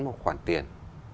một khoản tiền